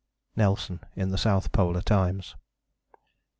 (NELSON in _The South Polar Times.